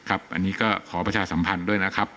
อันนี้ก็ขอประชาสัมพันธ์ด้วยนะครับ